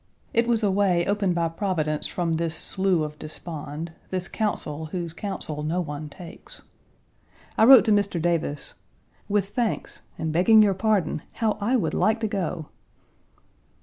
It was a way opened by Providence Page 158 from this Slough of Despond, this Council whose counsel no one takes. I wrote to Mr. Davis, "With thanks, and begging your pardon, how I would like to go."